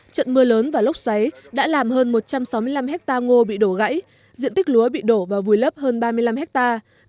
trận mưa lớn và lốc xoáy đã làm hơn một trăm sáu mươi năm hectare ngô bị đổ gãy diện tích lúa bị đổ và vùi lấp hơn ba mươi năm hectare